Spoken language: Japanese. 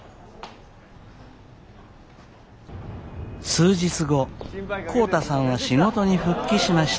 数日後浩太さんは仕事に復帰しました。